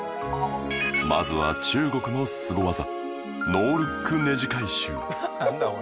まずは中国のスゴ技ノールックネジ回収なんだ？